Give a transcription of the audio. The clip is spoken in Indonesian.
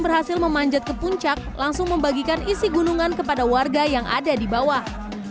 berhasil memanjat ke puncak langsung membagikan isi gunungan kepada warga yang ada di bawah